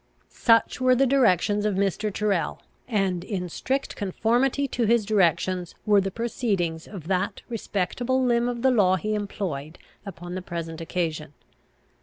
Such were the directions of Mr. Tyrrel, and in strict conformity to his directions were the proceedings of that respectable limb of the law he employed upon the present occasion.